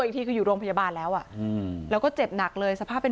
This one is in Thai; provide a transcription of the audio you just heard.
อีกทีคืออยู่โรงพยาบาลแล้วอ่ะอืมแล้วก็เจ็บหนักเลยสภาพเป็น